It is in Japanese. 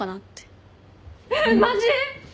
えっマジ！？